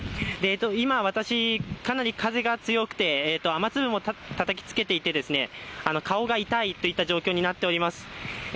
今、私、かなり風が強くて雨粒もたたきつけていて顔が痛いといった状況になっております、。